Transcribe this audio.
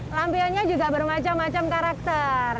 lampionnya juga bermacam macam karakter